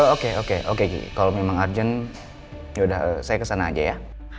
oke oke oke kiki kalo memang urgent yaudah saya kesana aja ya